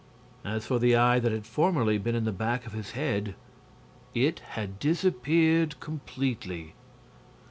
As for the eye that had formerly been in the back of his head, it had disappeared completely.